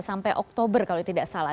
sampai oktober kalau tidak salah